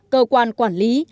cơ quan quản lý